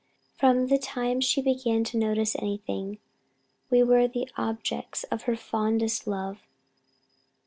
From the time she began to notice anything, we were the objects of her fondest love.